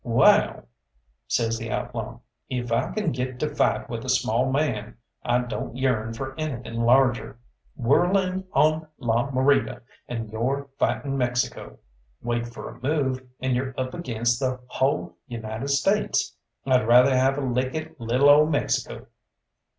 "Wall," says the outlaw, "if I kin get to fight with a small man, I don't yearn for anything larger. Whirl in on La Morita, and you're fighting Mexico; wait for a move, and you're up against the hull United States. I'd rather have a lick at lil' ole Mexico."